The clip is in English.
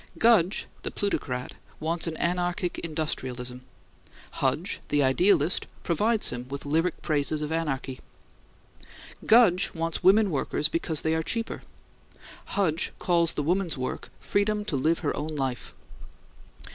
Gudge, the plutocrat, wants an anarchic industrialism; Hudge, the idealist, provides him with lyric praises of anarchy. Gudge wants women workers because they are cheaper; Hudge calls the woman's work "freedom to live her own life."